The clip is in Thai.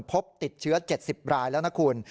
พบติดเชื้อ๗๐รายแล้วนะคุณ